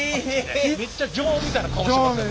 めっちゃ常温みたいな顔してますやん。